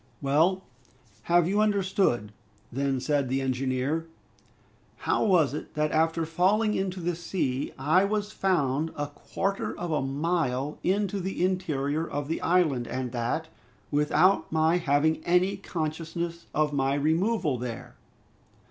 "Well, have you understood," then said the engineer, "how was it that after falling into the sea, I was found a quarter of a mile into the interior of the island, and that, without my having any consciousness of my removal there?"